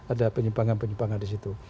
ada penyimpangan penyimpangan disitu